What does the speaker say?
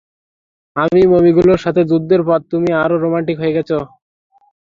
মৃত মমিগুলোর সাথে যুদ্ধের পর তুমি আরো রোমান্টিক হয়ে গেছ!